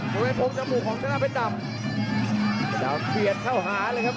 โดยโพงสมุขของชนะเพชรดำเพชรดำเปลี่ยนเข้าหาเลยครับ